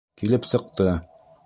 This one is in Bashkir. Килеп сыҡты.